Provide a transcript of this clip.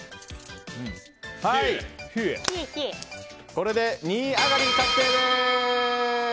これで２位上がり確定です。